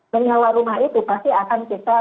menyewa rumah itu pasti akan kita